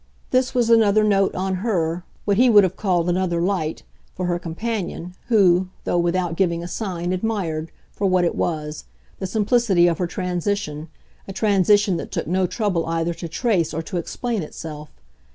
This was another note on her what he would have called another light for her companion, who, though without giving a sign, admired, for what it was, the simplicity of her transition, a transition that took no trouble either to trace or to explain itself.